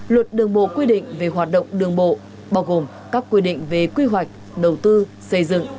luật đường bộ quy định về hoạt động đường bộ bao gồm các quy định về quy hoạch đầu tư xây dựng